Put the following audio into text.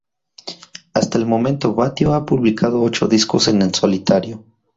Hasta el momento Batio ha publicado ocho discos en solitario.